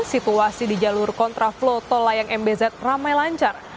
situasi di jalur kontraflow tol layang mbz ramai lancar